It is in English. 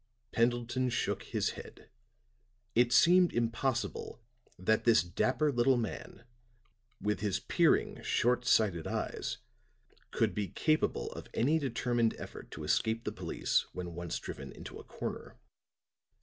Pendleton shook his head. It seemed impossible that this dapper little man with his peering, short sighted eyes could be capable of any determined effort to escape the police when once driven into a corner.